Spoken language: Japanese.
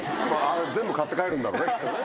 全部刈って帰るんだろうね、きっとね。